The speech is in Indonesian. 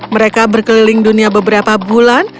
mereka berkeliling dunia beberapa bulan